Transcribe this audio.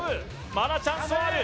まだチャンスはある